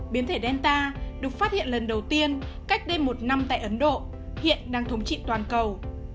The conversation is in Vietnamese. biến thể delta được phát hiện lần đầu tiên cách đây một năm tại ấn độ hiện đang thống trị toàn cầu